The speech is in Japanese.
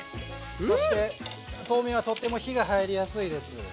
そして豆苗はとっても火が入りやすいです。